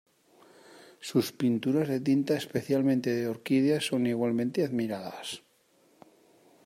Sus pinturas de tinta, especialmente de orquídeas, son igualmente admiradas.